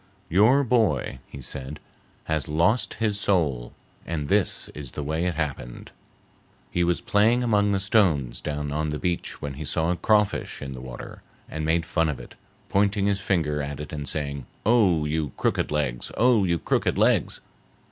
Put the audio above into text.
"Your boy," he said, "has lost his soul, and this is the way it happened. He was playing among the stones down on the beach when he saw a crawfish in the water, and made fun of it, pointing his finger at it and saying, 'Oh, you crooked legs! Oh, you crooked legs!